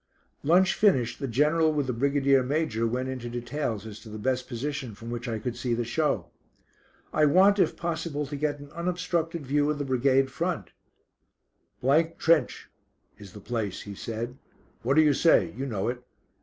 Lunch finished, the General with the Brigadier Major went into details as to the best position from which I could see the show. "I want, if possible, to get an unobstructed view of the Brigade front." "' Trench,' is the place," he said. "What do you say? you know it."